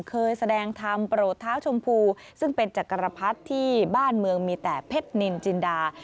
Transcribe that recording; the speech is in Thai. เคยแสดงธรรมโปรดเท้าชมพูซึ่งเป็นจักรพรรดิที่บ้านเมืองมีแต่เพชรนินจินดา